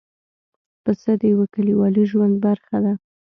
پسه د یوه کلیوالي ژوند برخه ده.